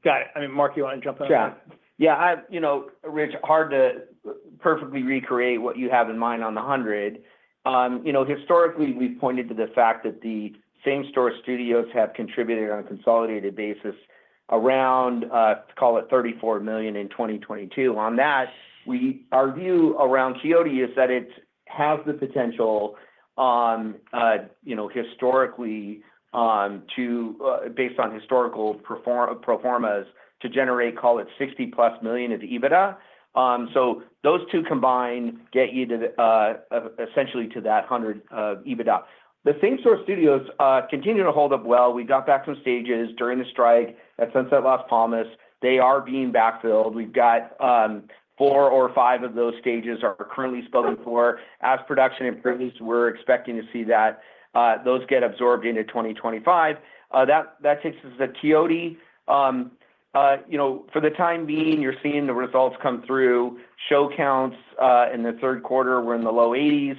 Speaker 3: Got it. I mean, Mark, you want to jump in on that?
Speaker 4: Sure. Yeah. Rich, hard to perfectly recreate what you have in mind on the $100 million. Historically, we've pointed to the fact that the same store studios have contributed on a consolidated basis around, call it, $34 million in 2022. On that, our view around Quixote is that it has the potential historically, based on historical performance, to generate, call it, $60+ million of EBITDA. So those two combined get you essentially to that $100 million of EBITDA. The same store studios continue to hold up well. We got back some stages during the strike at Sunset Las Palmas. They are being backfilled. We've got four or five of those stages are currently spoken for. As production improves, we're expecting to see that those get absorbed into 2025. That takes us to Quixote. For the time being, you're seeing the results come through. Show counts in the third quarter were in the low 80s.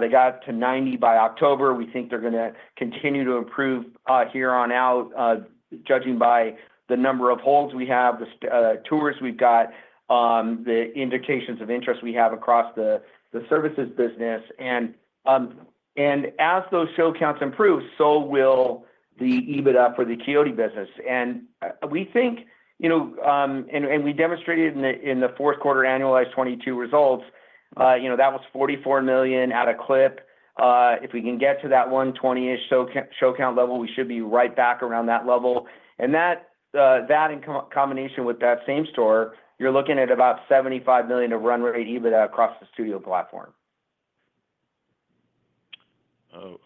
Speaker 4: They got to 90 by October. We think they're going to continue to improve here on out, judging by the number of holds we have, the tours we've got, the indications of interest we have across the services business. As those show counts improve, so will the EBITDA for the Quixote business. We think, and we demonstrated in the fourth quarter annualized 2022 results, that was $44 million at a clip. If we can get to that 120-ish show count level, we should be right back around that level, and that in combination with that same store, you're looking at about $75 million of run-rate EBITDA across the studio platform.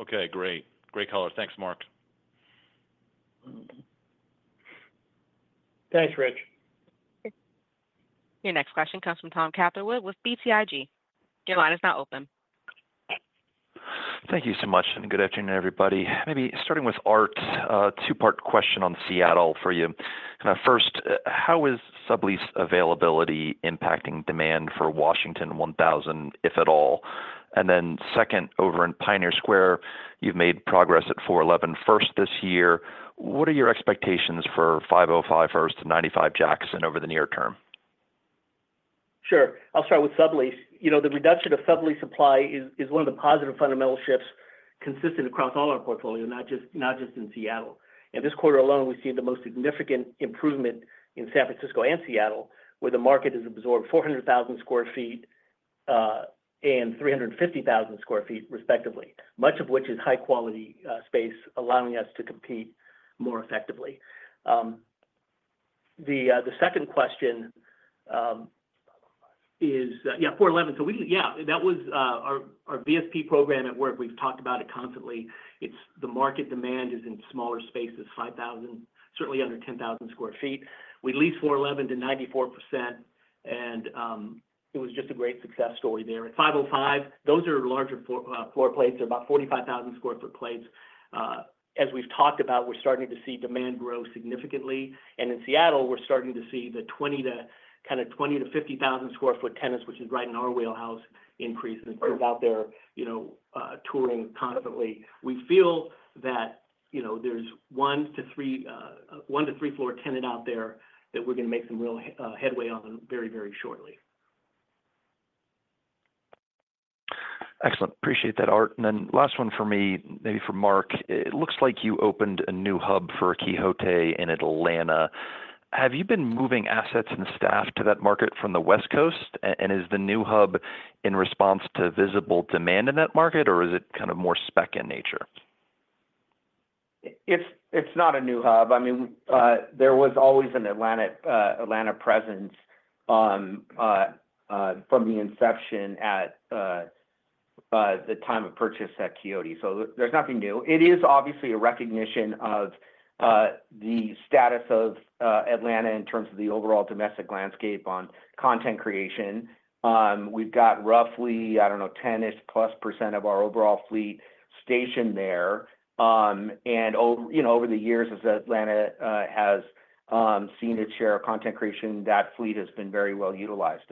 Speaker 13: Okay. Great. Great color. Thanks, Mark.
Speaker 4: Thanks, Rich.
Speaker 1: Your next question comes from Tom Catherwood with BTIG. Your line is now open.
Speaker 14: Thank you so much. Good afternoon, everybody. Maybe starting with Harout, a two-part question on Seattle for you. First, how is sublease availability impacting demand for Washington 1000, if at all? Then second, over in Pioneer Square, you've made progress at 411 First this year. What are your expectations for 505 First to 95 Jackson over the near term?
Speaker 5: Sure. I'll start with sublease. The reduction of sublease supply is one of the positive fundamental shifts consistent across all our portfolio, not just in Seattle and this quarter alone, we've seen the most significant improvement in San Francisco and Seattle where the market has absorbed 400,000 sq ft and 350,000 sq ft, respectively, much of which is high-quality space allowing us to compete more effectively. The second question is, yeah, 411. So yeah, that was our VSP program at work. We've talked about it constantly. The market demand is in smaller spaces, 5,000, certainly under 10,000 sq ft. We leased 411 to 94%, and it was just a great success story there. At 505, those are larger floor plates. They're about 45,000 sq ft plates. As we've talked about, we're starting to see demand grow significantly. In Seattle, we're starting to see the kind of 20-50,000-sq ft tenants, which is right in our wheelhouse, increase. It turns out they're touring constantly. We feel that there's 1-3 floor tenant out there that we're going to make some real headway on very, very shortly. Excellent. Appreciate that, Harout. Then last one for me, maybe for Mark. It looks like you opened a new hub for Quixote in Atlanta. Have you been moving assets and staff to that market from the West Coast and is the new hub in response to visible demand in that market, or is it kind of more spec in nature?
Speaker 4: It's not a new hub. I mean, there was always an Atlanta presence from the inception at the time of purchase at Quixote. So there's nothing new. It is obviously a recognition of the status of Atlanta in terms of the overall domestic landscape on content creation. We've got roughly, I don't know, 10-ish+ % of our overall fleet stationed there. Over the years, as Atlanta has seen its share of content creation, that fleet has been very well utilized.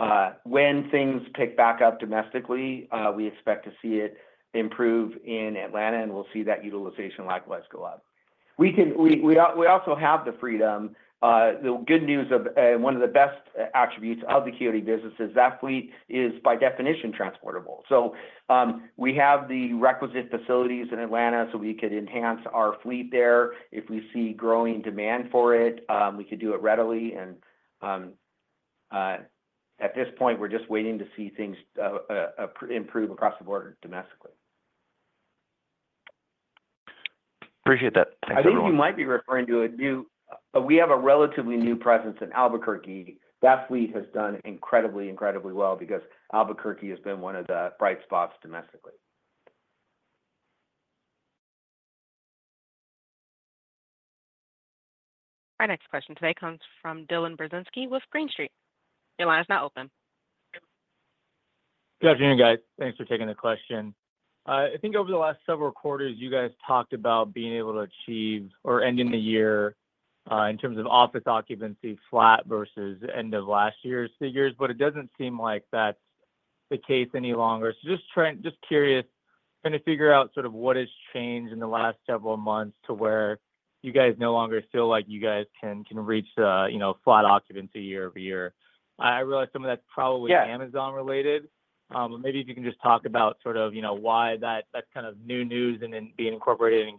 Speaker 4: So when things pick back up domestically, we expect to see it improve in Atlanta, and we'll see that utilization likewise go up. We also have the freedom. The good news of one of the best attributes of the Quixote business is that fleet is, by definition, transportable. So we have the requisite facilities in Atlanta so we could enhance our fleet there. If we see growing demand for it, we could do it readily. At this point, we're just waiting to see things improve across the board domestically.
Speaker 14: Appreciate that. Thanks for the word.
Speaker 4: I think you might be referring to a new. We have a relatively new presence in Albuquerque. That fleet has done incredibly, incredibly well because Albuquerque has been one of the bright spots domestically.
Speaker 1: Our next question today comes from Dylan Burzinski with Green Street. Your line is now open.
Speaker 15: Good afternoon, guys. Thanks for taking the question. I think over the last several quarters, you guys talked about being able to achieve or ending the year in terms of office occupancy, flat versus end of last year's figures, but it doesn't seem like that's the case any longer. So just curious, trying to figure out sort of what has changed in the last several months to where you guys no longer feel like you guys can reach flat occupancy year-over-year? I realize some of that's probably Amazon-related, but maybe if you can just talk about sort of why that's kind of new news and then being incorporated in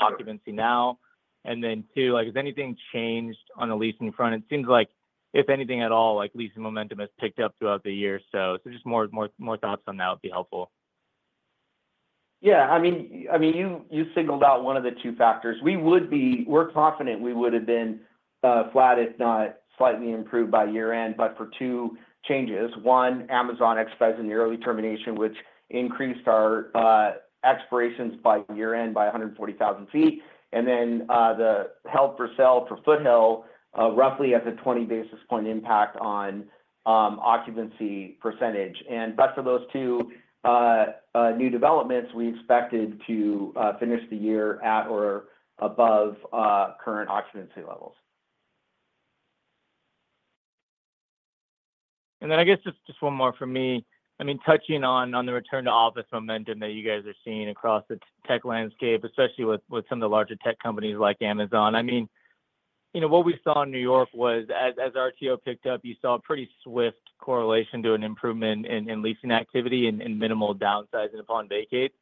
Speaker 15: occupancy now. Then two, has anything changed on the leasing front? It seems like, if anything at all, leasing momentum has picked up throughout the year. So just more thoughts on that would be helpful.
Speaker 4: Yeah. I mean, you singled out one of the two factors. We're confident we would have been flat, if not slightly improved by year-end, but for two changes. One, Amazon expedited in the early termination, which increased our expirations by year-end by 140,000 feet. Then the held for sale for Foothill, roughly at the 20 basis point impact on occupancy percentage. But for those two new developments, we expected to finish the year at or above current occupancy levels.
Speaker 15: Then I guess just one more for me. I mean, touching on the return to office momentum that you guys are seeing across the tech landscape, especially with some of the larger tech companies like Amazon. I mean, what we saw in New York was, as RTO picked up, you saw a pretty swift correlation to an improvement in leasing activity and minimal downsizing upon vacate.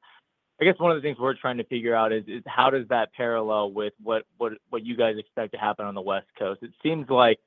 Speaker 15: I guess one of the things we're trying to figure out is how does that parallel with what you guys expect to happen on the West Coast? It seems like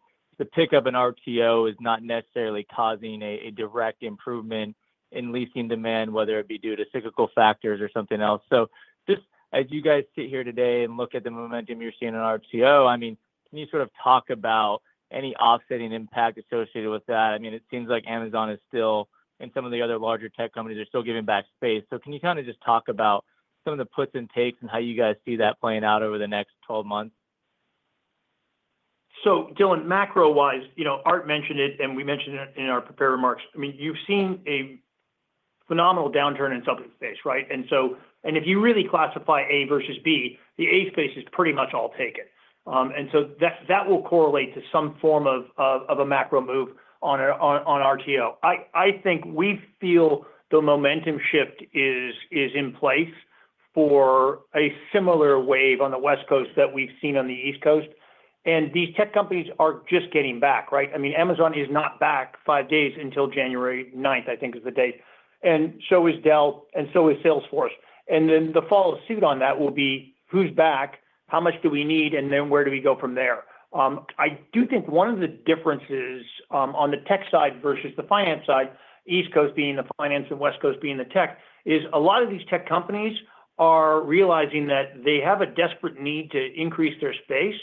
Speaker 15: the pickup in RTO is not necessarily causing a direct improvement in leasing demand, whether it be due to cyclical factors or something else. So just as you guys sit here today and look at the momentum you're seeing in RTO, I mean, can you sort of talk about any offsetting impact associated with that? I mean, it seems like Amazon is still, and some of the other larger tech companies are still giving back space. So can you kind of just talk about some of the puts and takes and how you guys see that playing out over the next 12 months?
Speaker 4: So Dylan, macro-wise, Harout mentioned it, and we mentioned it in our prepared remarks. I mean, you've seen a phenomenal downturn in sublease space, right? If you really classify A versus B, the A space is pretty much all taken. So that will correlate to some form of a macro move on RTO. I think we feel the momentum shift is in place for a similar wave on the West Coast that we've seen on the East Coast and these tech companies are just getting back, right? I mean, Amazon is not back five days until January 9th, I think, is the date. So is Dell, and so is Salesforce. Then the follow suit on that will be who's back, how much do we need, and then where do we go from there? I do think one of the differences on the tech side versus the finance side, East Coast being the finance and West Coast being the tech, is a lot of these tech companies are realizing that they have a desperate need to increase their space,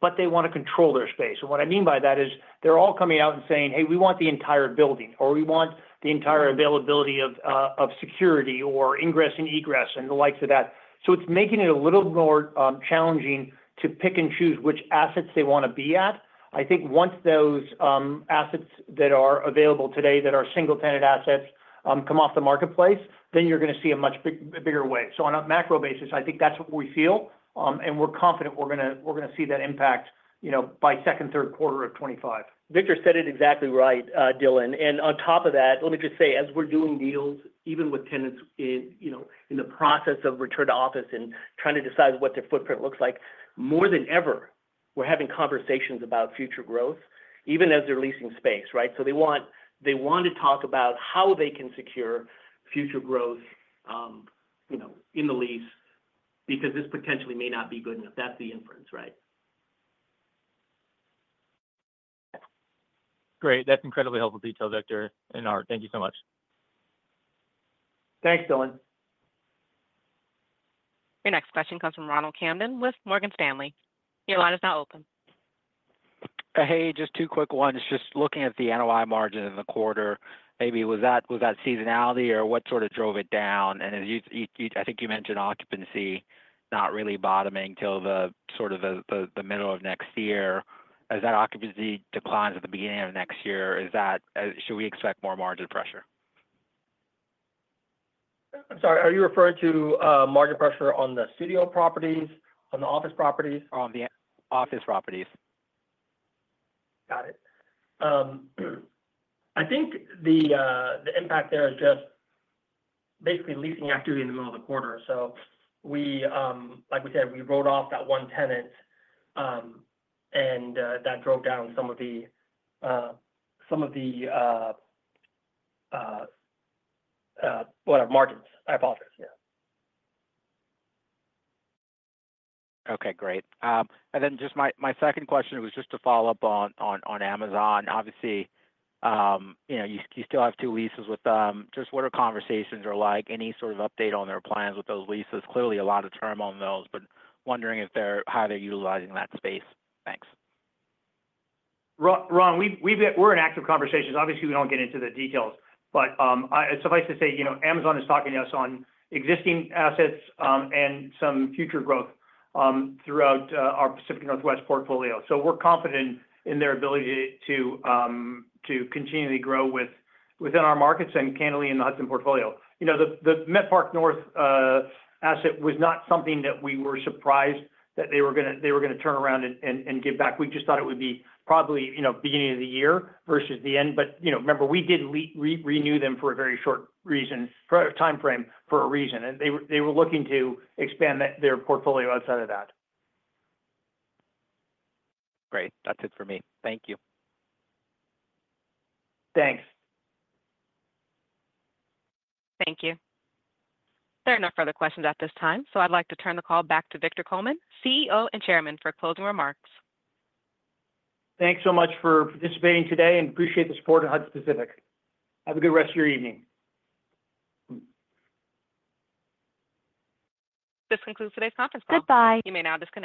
Speaker 4: but they want to control their space, and what I mean by that is they're all coming out and saying, "Hey, we want the entire building," or, "We want the entire availability of security or ingress and egress and the likes of that." So it's making it a little more challenging to pick and choose which assets they want to be at. I think once those assets that are available today that are single-tenant assets come off the marketplace, then you're going to see a much bigger wave, so on a macro basis, I think that's what we feel and we're confident we're going to see that impact by second, third quarter of 2025. Victor said it exactly right, Dylan and on top of that, let me just say, as we're doing deals, even with tenants in the process of return to office and trying to decide what their footprint looks like, more than ever, we're having conversations about future growth, even as they're leasing space, right? So they want to talk about how they can secure future growth in the lease because this potentially may not be good enough. That's the inference, right?
Speaker 12: Great. That's incredibly helpful detail, Victor and Harout. Thank you so much.
Speaker 4: Thanks, Dylan.
Speaker 1: Your next question comes from Ronald Kamdem with Morgan Stanley. Your line is now open.
Speaker 16: Hey, just two quick ones. Just looking at the NOI margin of the quarter, maybe was that seasonality or what sort of drove it down? I think you mentioned occupancy not really bottoming till sort of the middle of next year. As that occupancy declines at the beginning of next year, should we expect more margin pressure?
Speaker 4: I'm sorry. Are you referring to margin pressure on the studio properties, on the office properties, or on the-
Speaker 16: Office properties?
Speaker 4: Got it.
Speaker 3: I think the impact there is just basically leasing activity in the middle of the quarter. So like we said, we rolled off that one tenant, and that drove down some of the margins. I apologize. Yeah.
Speaker 16: Okay. Great. Then just my second question was just to follow up on Amazon. Obviously, you still have two leases with them. Just what the conversations are like? Any sort of update on their plans with those leases? Clearly, a lot of term on those, but wondering how they're utilizing that space. Thanks.
Speaker 3: Ron, we're in active conversations. Obviously, we don't get into the details, but it suffices to say Amazon is talking to us on existing assets and some future growth throughout our Pacific Northwest portfolio. So we're confident in their ability to continually grow within our markets and namely in the Hudson portfolio. The Met Park North asset was not something that we were surprised that they were going to turn around and give back. We just thought it would be probably beginning of the year versus the end. But remember, we did renew them for a very short timeframe for a reason. They were looking to expand their portfolio outside of that.
Speaker 16: Great. That's it for me. Thank you.
Speaker 4: Thanks.
Speaker 1: Thank you. There are no further questions at this time. So I'd like to turn the call back to Victor Coleman, CEO and Chairman, for closing remarks.
Speaker 3: Thanks so much for participating today and appreciate the support of Hudson Pacific. Have a good rest of your evening.
Speaker 1: This concludes today's conference call. Goodbye. You may now disconnect.